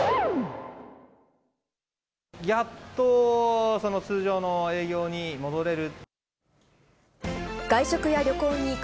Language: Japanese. やっと通常の営業に戻れる。